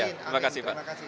amin amin terima kasih pak